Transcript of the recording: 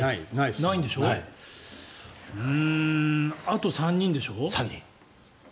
あと３人でしょ？